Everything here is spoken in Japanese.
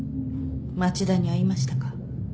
町田に会いましたか？